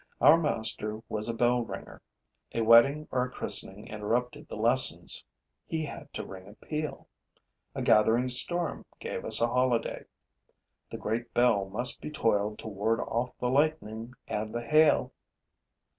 Our master was a bell ringer. A wedding or a christening interrupted the lessons: he had to ring a peal. A gathering storm gave us a holiday: the great bell must be tolled to ward off the lightning and the hail.